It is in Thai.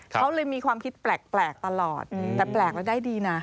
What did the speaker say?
เขาเลยมีความคิดแปลกตลอดแต่แปลกแล้วได้ดีนะ